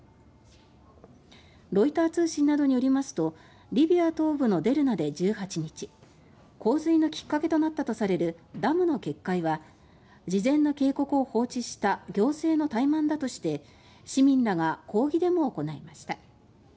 ロイター通信などによりますとリビア東部のデルナで１８日洪水のきっかけとなったとされるダムの決壊は、事前の警告を放置した行政の怠慢だとして市民らが抗議デモを行いました。